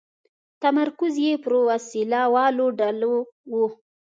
تمرکز یې پر وسله والو ډلو و.